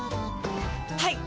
はい！